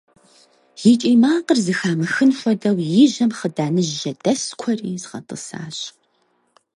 И кӀий макъыр зэхамыхын хуэдэу и жьэм хъыданыжь жьэдэскуэри згъэтӀысащ.